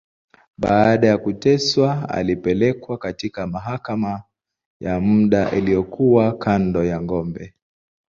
Baada ya kuteswa, alipelekwa katika mahakama ya muda, iliyokuwa kando ya ngome.